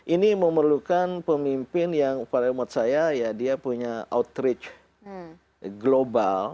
ini memerlukan pemimpin yang pada menurut saya ya dia punya outreach global